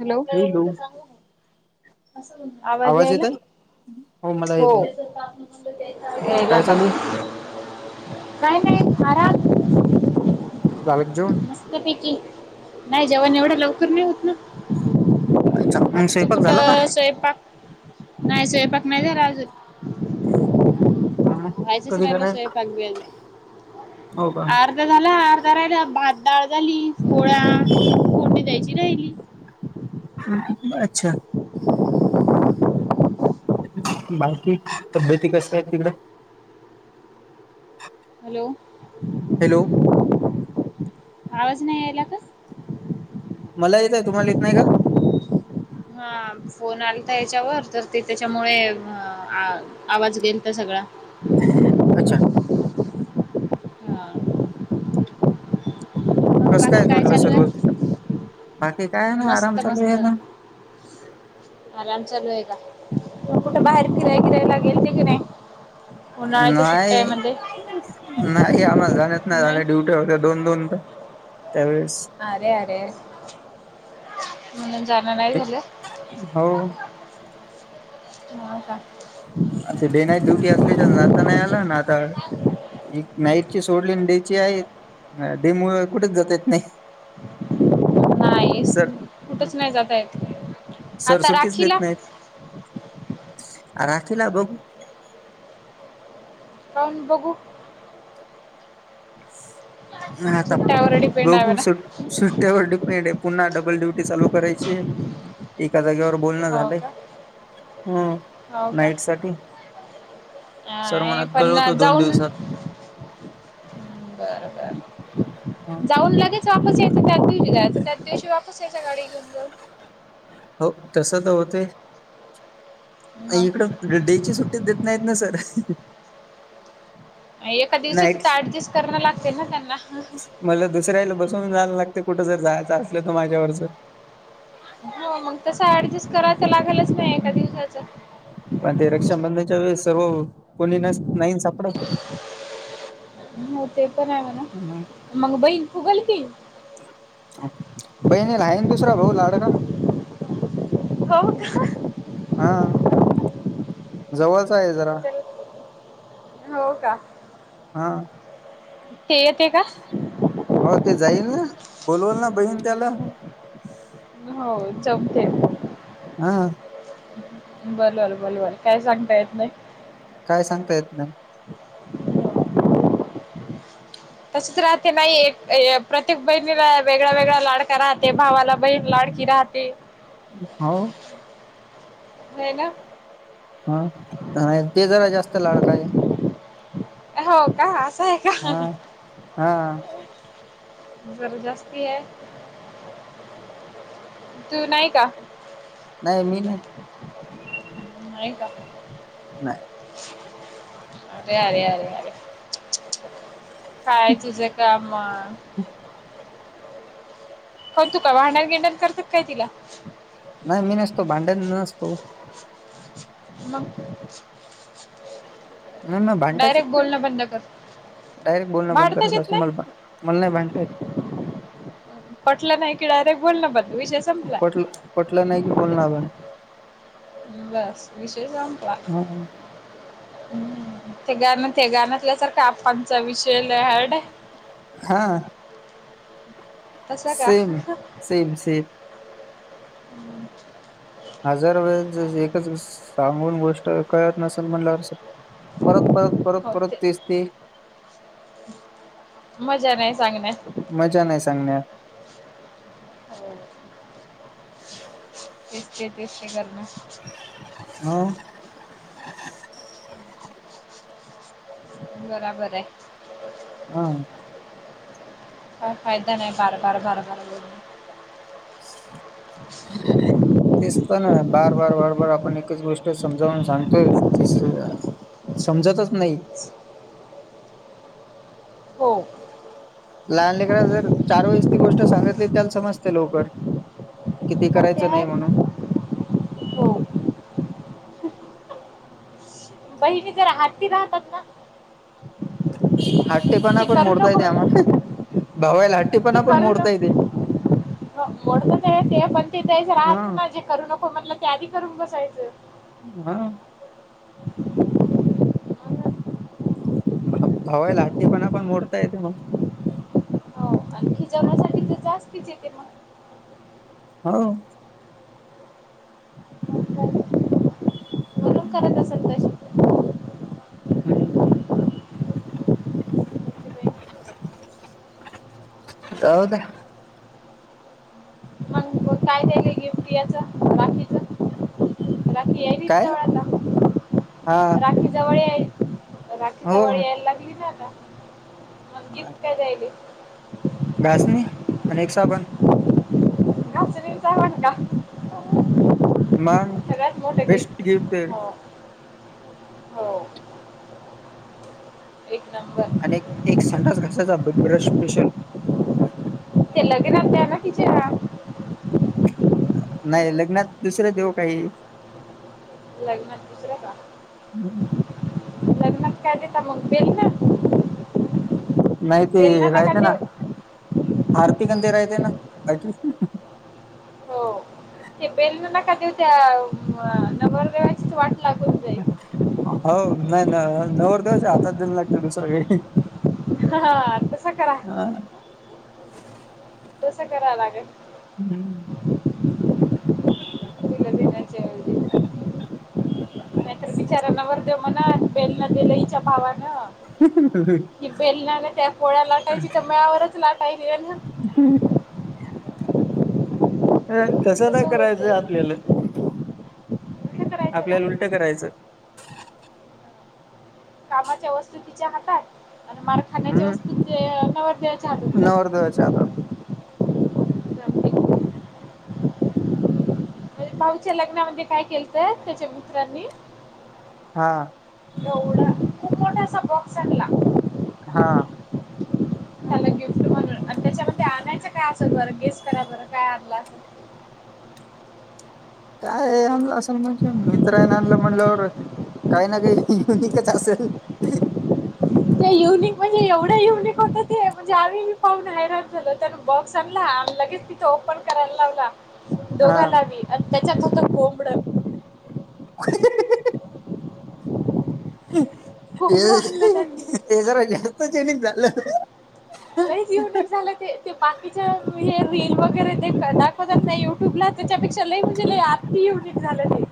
Hello! आवाज येत यायला. आहे मला हो येत आहे यायाला काय ना. चालू आहे काय नाहीय आराम. झालं का जेवून? मस्तपैकी नाही जेवण एवढं लवकर नाही होत ना. अच्छा मग आता तू स्वयंपाक कुठ झाला का? स्वयंपाक. नाही स्वयंपाक नाही झाला अजून. हम् ह व्हायचंच कधी राहिला कडं स्वयंपाक हो. का. ते झालं आता राहिला भात डाळ झाली पो भिजायची राहिली. अच्छा, बाकी तब्येती कश्या आहे तिकडं. हॅलो! हॅलो! आवाज नाही यायला गं मला येत तुम्हाला येत नाही का. हा फोन आला. तर याच्या वर तर ते त्याच्यामुळे. आवाज गेलंता तर सगळा. अच्छा, हा कसं कायच बाकी काय म्हटलं चालू सर्व आहे? तिकडं बाकी काय ना आराम मस्त चालू आहे मस्त ना. आराम चालू आहे का कुठे बाहेर किरायला गेल ते की नाही. उन्हाळ्याच्या नाहीयं सुट्ट्यामध्ये नाही आम्हाला जाण्यात नाही झाले ड्युटी होते दोन दोन तर त्यावेळेस. अरे, अरे, जाणं नाही झालं हो हो. का. डे नाईट डुटी असल्याली. आता नाही. आला ना आता. एक नाईट ची सोडली आणि डेची आहे डे मुळे कुठेचं जात येतं नाही. नाही कुठंच नाही जाता येत सर आता सुटीचं राखीला देत नाहीत. रात्री री ला बघू. पाहुन बघू. आता सुट्ट्यावर डिपेंड आहे बघू ना सुट्टेवर डिपेंड आहे पुन्हा डबल ड्युटी चालू करायची. एका जागेवर बोलणं हो झालंय का ह हो का नाईट साठी. सर नाही म्हणले पण कळवतो दोन जाऊन दिवसातं. बरं बरं जाऊन लगेच वापस शेतीसाठी. फिरायचं त्याच दिवशी वापस यायचं गाडी घेऊन जाऊ. हो तसं त होते. मग इकडं डे ची सुट्टी देत नाहीत ना सर. एका नाईट दिवसात ऍडजस्ट करणं लागते ना त्यांना मला दुसऱ्याला बसून जायला लागते कुठं जर जायचं असलं तर माझ्यावरचं हो मग तस ऍडजस्ट कराय तर लागेलच नाही एका दिवसाच पण ते रक्षाबंधनच्या वेळेस सर्व कोणी न नाही सापड हो ते पण आहे म्हणा मग बहीण फुगल की बहिणी ल आहेन दुसरा भाऊ लाडका हो. का. हा जवळचं आहे जरा, हो. का. हा, ते. येते. का. हो ते जाईल ना बोलवलं ना बहीण त्याला. हो चौथे हा बर बर बरोबर काय सांगता येत नाही काय सांगतायेत ना तसच राहते नाही एक प्रत्येक बहिणीला वेगळा्या वेगळा्या लाडका राहते भावाला बहीन लाडकी राहते हो ह ना हा ते जरा जास्त लाडक आहे हो का असं आहे हा का हा जर जास्ती ह तू नाही का नाही मी नाही नाही का नाही अरे यारे यारे यारे काय तुझं काम मग ह काऊन तु काय भांडण बिंदान करतो का काय तिला काय तिला नाही मी नसतो भांडण नसतो मग नाही म भांडाचेत डायरेक्ट नाही बोलणं बंद कर डायरेक्ट बोलणं बंद भांडताच करत येत असतो मला नाही भांडता येत मला नाही भांडता येत पटलं नाही की डयरेट बोल ना ब विशे [unintelligible] पटलं पटलं नाही कि बोलण बंद [unintelligible] बस विशय संपला [unintelligible] ते गाण त्या गाण्यातल्या सारखा आपांचा विषयल हार्ड हाय [unintelligible] हा [unintelligible] तसा का सेम सेम सेम [unintelligible] हम्म [unintelligible] हजार वेळे एकच सांगून गोष्ट कळत नसेल म्हणल्यावर [unintelligible] परत परत परत होते परत तेसते [unintelligible] मजा नाही सांगण्यात [unintelligible] मजा नाही सांगण्यात [unintelligible] हो [unintelligible] तेस ते तेस ते कर [unintelligible] हम [unintelligible] बराबर आहे [unintelligible] हा [unintelligible] काय फायदा नाही बार बार बार बार ब [unintelligible] [unintelligible] ह [unintelligible] तेच तर ना बार बार बारबार आपण एकच गोष्ट समजावून सांगतोय ती [unintelligible] समजतच नाही. [unintelligible] [inaudible] [unintelligible] हो. [unintelligible] लहानलेकराला जर चार वेळेस ती गोष्ट सांगितली त्याला समजते लवकर [unintelligible] किती हो ते करायचं आहे नाही म्हणून म्हणा हम हो [unintelligible] बहिणी जरा हट्टी राहतात ना [unintelligible] हट्टी पाणा ते पण करू नको मोडतायेत म्हणलं आम्हाला [unintelligible] भावायला हट्टीपणा पण मोडता येते [unintelligible] म्हणून ते पण तेथयच हा राहायचं ना जे करू नको म्हटलं ते आधी करून बसायचं. [unintelligible] हा. [unintelligible] [inaudible] [unintelligible] भा भावायला हट्टीपणा पण मोडता येते मग [unintelligible] हो आणि खिजवण्यासाठी हो तर जास्तीच येते मग [unintelligible] हो. [unintelligible] म्हणून करत असल ते [unintelligible] अन [unintelligible] [unintelligible] [unintelligible] मग काय त्या का गिफ्ट दयायचं बाकीचं [unintelligible] राखी यायली काय जवळ आता हा राखी जवळ या [unintelligible] राखी हो जवळ यायला लागली ना आता मग गिफ्ट काय दयाय [unintelligible] घासणी आणि एक साबण [unintelligible] घासणी काय म्हणला [unintelligible] मग सगळ्यात मोठं बेस्ट गिफ्ट आहे. [unintelligible] हो हो एक नंबर [unintelligible] आणि एक एक संडास घासायचा ब्रश स्पेशल [unintelligible] [unintelligible] [unintelligible] नाही लग्नात दुसरे देवू काही [unintelligible] लग्नात दुसर का? [unintelligible] हम्म ह [unintelligible] लग्नात काय देणार मग बेल न [unintelligible] नाय ते राहित ना देऊ हारपिक अंधेरा येतय ना बैटरी हो ते बेल नका देऊ त्या नवरदेवाचीच वाट लागून जाईल हो नाय न नवर देवाच्या हातात दयायला लागतय ते दु सगळे हा हा हा तसां करा. हा कसं कराव लागनं. हम्म [inaudible] नायतर बिचारा नवर देव म्हणल बेल न दिलं हीच्या भावानं ही बेल ना ग त्या पोळ्या लाटायची तर मळ्यावरच लाटायल येल न अ तस नाय तसं होत करायचंय जाईल आपल्याला कसं करायचं आपल्याला का उलटं करायचं. कामाच्या वस्तू तिच्या हातात आणि मार खाण्याच्या वस्तू ते नवरदेव नवर देवाच्या हातात माझ्या भाऊच्या लग्नामध्ये काय केलत त्याच्या मित्रांनी हा एवढा खूप मोठा असा बॉक्स आणला. हा आणलाय गिफ्ट म्हणून आणि ते त्याला काय आणायचं काय असेल बरं गेस्ट करा बरं काय आणलं असल काय असल म्हणजे मित्र ये ना म्हणल्यावर काय ना काही युनिकच असेल. ते युनिक म्हणजे एवढं युनिक होतं ते म्हणजे आम्ही बी पाहून हैराण झालो. त्यानं बॉक्स आणला आणि लगेच तिथं ओपन करायला लावला. हा. दोघांला बी आणि त्याच्यात होत कोंबडं [inaudible] हे कोंबडं आणलं त्यांनी हे जरा जास्त चं युनिक झालं. लईच युनीक झालं ते ते बाकीच्या हे रील वगैरे ते दाखवतात ना युट्यूबला त्याच्यापेक्षा लय म्हणजे लय आती युनिक झालं ते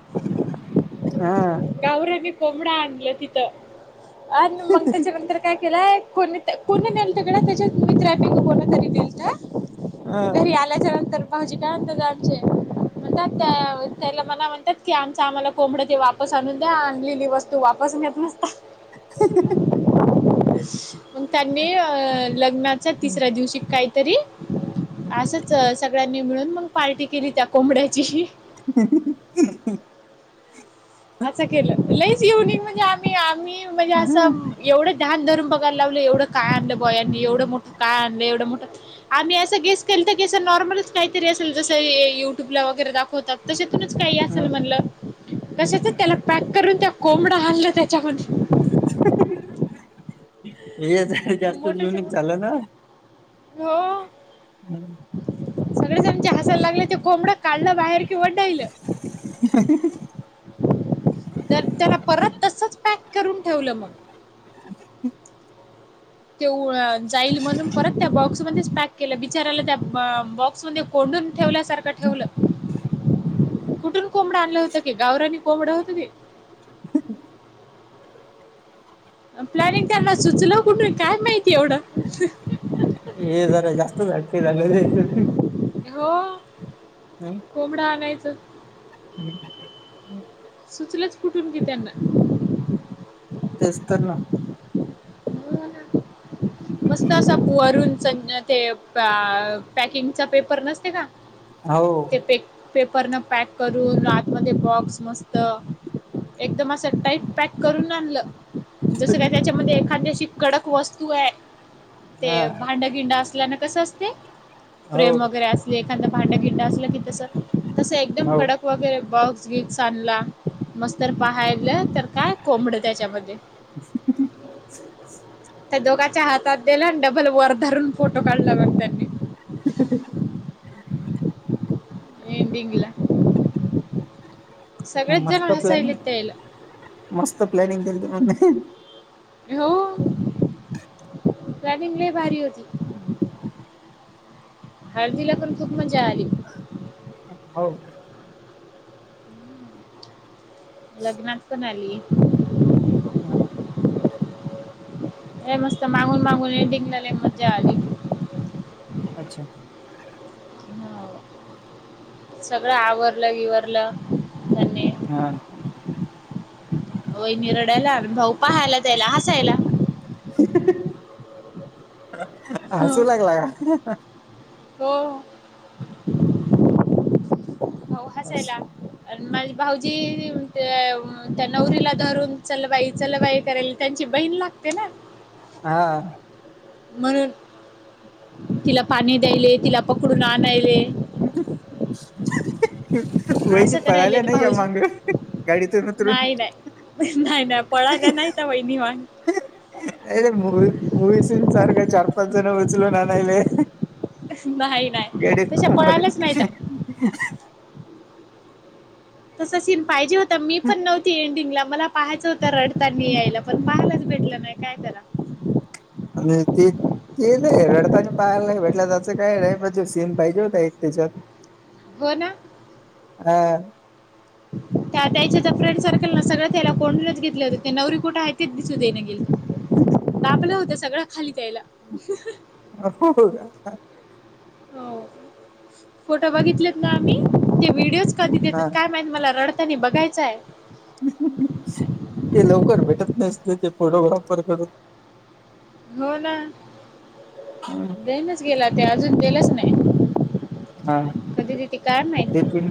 हा गावऱ्यांनी कोंबडं आणलं तिथं आणि मंग त्याच्यानंतर काय केलंय कोणी कोणी नेलं तिकडं त्याच्याचं मित्रांनी कं कोणा तरी नेलत घरी आल त्याच्या नंतर भावोजी काय म्हणतात आमचे म्हणतात त्याला मला म्हणतात की आमच आम्हाला कोंबडं दे वाप तस आणून द्या आणलेली वस्तू वापस नेत नसतात. [unintelligible] मंग त्यांनी लग्नाच्या तिसऱ्या दिवशी कायतरी असच अ सगळ्यांनी मिळून मंग पार्टी केली त्या कोंबड्याची. [unintelligible] असं केलं लईच युनिक म्हणजे आम्ही आम्ही म्हणजे असं एवढं धान धरून बघायला लावलं एवढं काय आणलं बुआ यांनी एवढं मोठं काय आणलं एवढं मोठं आणि असं गेस केलत की अस नॉर्मलच काहीतरी असेल जसं युट्यूबला वगैरे दाखवतात. तशातुनच काही असल म्हणलं कशाच त्याला पॅक करून त्या कोंबडा आणलं त्याच्यामधी हे जरा जास्त मोठंच्या युनिक मोठं झालं ना हो. सगळे जणचे हसायला लागले ते कोंबडं काढलं बाहेर की वडाईल [inaudible] तर त्याला परत तसच पॅक करून ठेवलं मग ते जाईल म्हणून परत त्या बॉक्समध्येच पॅक केलं बचाराला त्या बॉक्स कोंडून ठेवल्यासारखं ठेवलं कुठून कोंबडं आणलं होतं क गावरानी कोंबडं होतं ते प्लॅनिंग त्यांना सुचलं कुठे काय माहिती एवढं ये जर जास्तत हो कोबडं आणायचं सुचलंच कुठून की त्यांना तेच तर ना मस्त असा वरून ते पॅकिंगचा पेपर नसते का हो ते पेपर न पॅक करून रातमध्ये बॉक्स मस्त एकदम असं टाईट पॅक करून आणलं जस काय त्याच्यामध्ये एखाद्या अशी कडक वस्तू आहे हा ते भांड िंड असल्या कस अस हो फ्रेम वगैरे असले एखाद पहाट्या गिंड अस की तस तसं एकदम हो कडक वगैरे ब स्वीट्स आणला मस्तर पाहायलं तर काय कोंबड त्याच्यामध्ये शती त्या दोघांच्या हातात दिल्या आणि डबल वर धरून फोटो काढला मग त्यांनी ति त एंडिंगला सगळेच जण मस्त हसायले प्लॅनिंग त्यायला मस्त प्लॅनिंग केली त म हो वॉर्निंग लय भारी होती हळदीला पण खूप मजा आली हो लग्नास पण आली ह हे नुसतं मागून मागून हे टकणारला मज्जा आली अच्छा सगळ आवरलं विवरलं त्यांनी हा वयनी रडायला अन भाऊ पहायला त्याला हसायला हसू लागला हो हो अहो हसायला हसू आन माझे भाऊजी त्या त्या नवरीला धरून चलबाई चलबाई करेल त्यांची बहीण लागते ना हा म्हणून तिला पाणी द्यायले तिला पकडून आणायले वहिनी असं करायले पळायल्या ते नाय या भाऊजी. मांग गाडीतून उतरून न्हाय न्हाय पळायल्या नायत्या वैनी वांड नाही रे मूवी मूवीसून सारखं चार पाच जणं ऊचलुन आणायलोय नाही नाही तशा पळाल्याच नाहीत. [unintelligible] तसा सीन पाहिजे होता मी पण नव्हती एंडिंगला मला पाहायचं होत रडतान मी यायला पण पाहायलाच भेटलं नाय काय करा आणि ते ते नाय रडताना पाहायला भेटला त्याचं काय नाय पण तो सीन पाहिजे होता एक त्याच्यात हो ना हा तात्याईच फ्रेंड सर्कल ना सगळं त्याला कोंडूनच घेतलं होते नवरी कुठे हाय तेच दिसू देना गेल तापलं होतं सगळं खालीच यायला [unintelligible] हो फोटो बघितलेत ना आम्ही ते व्हिडिओच कधी हा देतात काय माहित मला रडतानी बघायचंय. ते लवकर भेटत नसते ते फोटोग्राफर कडून. हो ना कडून देईनाच गेला ते अजून दिलंच नाय. हा कधी दिती काय माहित. बिपिन